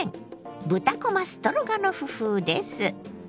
「豚こまストロガノフ風」です。